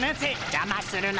じゃまするな。